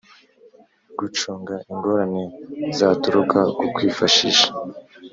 gucunga ingorane zaturuka ku kwifashisha